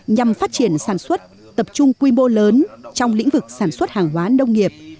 nhằm phát triển sản xuất tập trung quy mô lớn trong lĩnh vực sản xuất hàng hóa nông nghiệp